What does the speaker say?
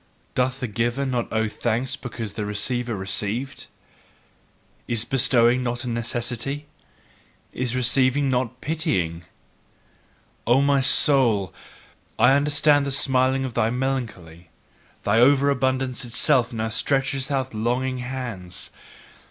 Doth the giver not owe thanks because the receiver received? Is bestowing not a necessity? Is receiving not pitying?" O my soul, I understand the smiling of thy melancholy: thine over abundance itself now stretcheth out longing hands!